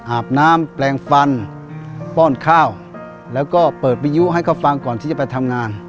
อาบน้ำแปลงฟันป้อนข้าวแล้วก็เปิดวิยุให้เขาฟังก่อนที่จะไปทำงาน